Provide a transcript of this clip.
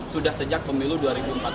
sudah sejak pemilu dua ribu empat belas